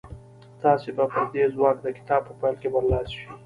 تاسې به پر دې ځواک د کتاب په پيل کې برلاسي شئ.